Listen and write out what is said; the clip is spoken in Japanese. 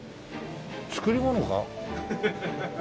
作り物か？